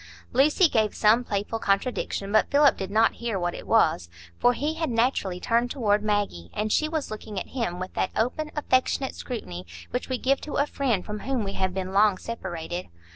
Lucy gave some playful contradiction, but Philip did not hear what it was, for he had naturally turned toward Maggie, and she was looking at him with that open, affectionate scrutiny which we give to a friend from whom we have been long separated.